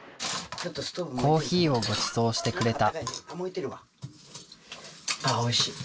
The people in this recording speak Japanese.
コーヒーをごちそうしてくれた。